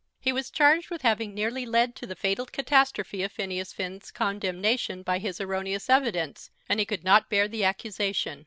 He was charged with having nearly led to the fatal catastrophe of Phineas Finn's condemnation by his erroneous evidence, and he could not bear the accusation.